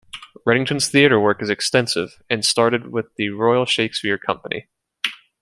Reddington's theatre work is extensive and started with The Royal Shakespeare Company.